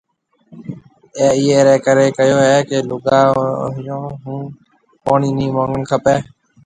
اَي اِيئي رَي ڪريَ ڪهيو ڪيَ لُگائي هون پوڻِي نِي مونگڻ کپيَ۔